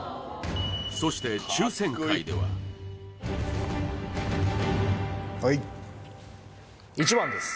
そして抽選会でははい１番です